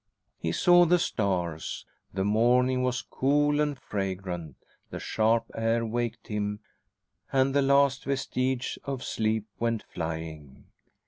He saw the stars. The morning was cool and fragrant, the sharp air waked him, and the last vestiges of sleep went flying.